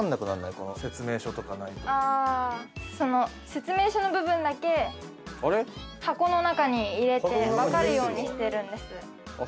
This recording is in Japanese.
説明書の部分だけ箱の中に入れてわかるようにしてるんです。